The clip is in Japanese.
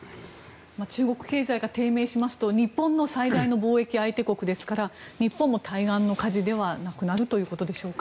中国経済が低迷しますと日本の最大の貿易相手国ですから日本も対岸の火事ではなくなるということでしょうか。